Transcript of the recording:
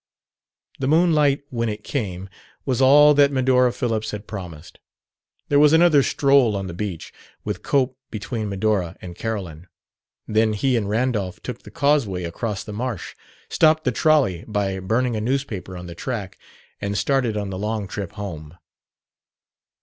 The moonlight, when it came, was all that Medora Phillips had promised. There was another stroll on the beach, with Cope between Medora and Carolyn. Then he and Randolph took the causeway across the marsh, stopped the trolley by burning a newspaper on the track, and started on the long trip home.